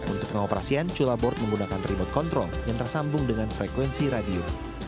untuk pengoperasian cula board menggunakan remote control yang tersambung dengan frekuensi radio